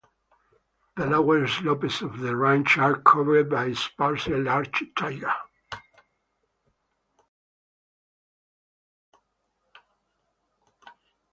The lower slopes of the range are covered by sparse larch taiga.